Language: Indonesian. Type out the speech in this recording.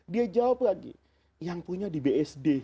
dia jawab lagi yang punya di bsd